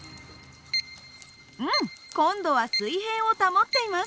うん今度は水平を保っています。